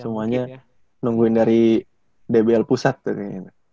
semuanya nungguin dari dbl pusat katanya